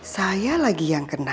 saya lagi yang kena